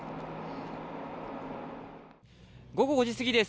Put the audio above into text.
午後５時過ぎです。